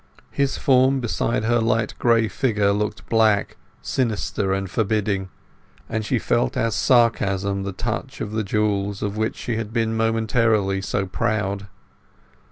His form beside her light gray figure looked black, sinister, and forbidding, and she felt as sarcasm the touch of the jewels of which she had been momentarily so proud.